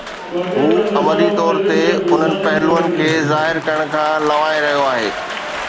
هو عمدي طور تي انهن پهلوئن کي ظاهر ڪرڻ کان لنوائي رهيو آهي.